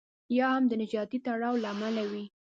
یا هم د نژادي تړاو له امله وي.